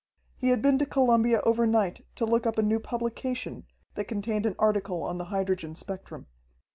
He had been to Columbia overnight to look up a new publication that contained an article on the hydrogen spectrum.